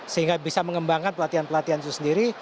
sehingga bisa mengembangkan pelatihan pelatihan itu sendiri